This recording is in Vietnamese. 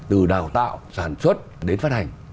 từ đào tạo sản xuất đến phát hành